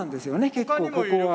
結構ここは。